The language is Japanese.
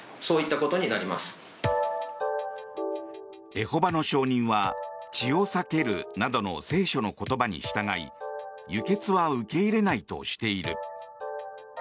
エホバの証人は血を避けるなどの聖書の言葉に従い輸血は受け入れないとしている。